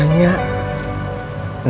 tin ibu juga nanya